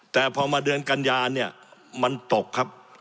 แต่พอมาเดือนกันยาเนี่ยมันตกครับ